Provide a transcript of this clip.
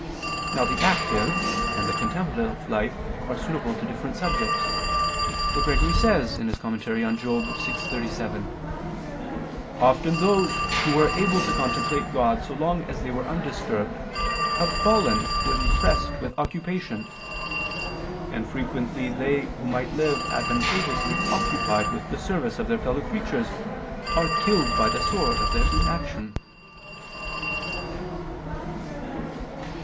Now the active and the contemplative life are suitable to different subjects; for Gregory says (Moral. vi, 37): "Often those who were able to contemplate God so long as they were undisturbed have fallen when pressed with occupation; and frequently they who might live advantageously occupied with the service of their fellow creatures are killed by the sword of their inaction."